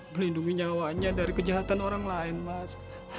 melindungi nyawanya dari kejahatan orang lain mas